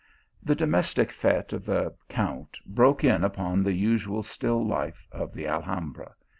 The domestic fete of the Count broke in upon the usual still life of the Alhambra.